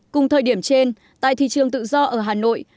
cùng thời điểm trên tại thị trường tự do ở hà nội